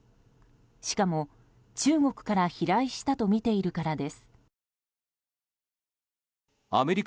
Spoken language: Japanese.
しかも、中国から飛来したとみているからです。